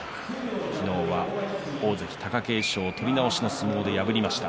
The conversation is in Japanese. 昨日は大関貴景勝取り直しの相撲で勝ちました。